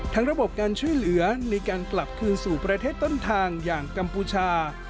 ระบบการช่วยเหลือในการกลับคืนสู่ประเทศต้นทางอย่างกัมพูชา